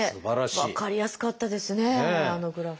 分かりやすかったですねあのグラフ。